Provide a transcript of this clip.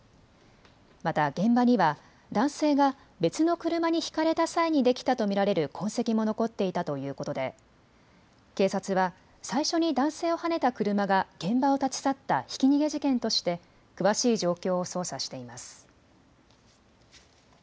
また現場には男性が別の車にひかれた際にできたと見られる痕跡も残っていたということで警察は最初に男性をはねた車が現場を立ち去ったひき逃げ事件として詳しい状況を捜査しています。